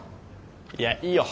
いやいいよ。